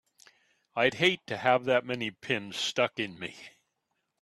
I'd hate to have that many pins stuck in me!